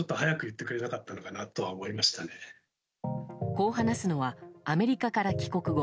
こう話すのはアメリカから帰国後